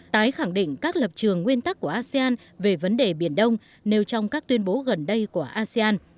tái khẳng định các lập trường nguyên tắc của asean về vấn đề biển đông nêu trong các tuyên bố gần đây của asean